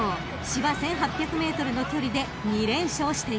［芝１，８００ｍの距離で２連勝しています］